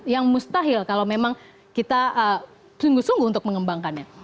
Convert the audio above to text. yang mustahil kalau memang kita sungguh sungguh untuk mengembangkannya